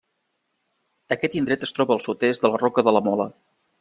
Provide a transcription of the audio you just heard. Aquest indret es troba al sud-est de la Roca de la Mola.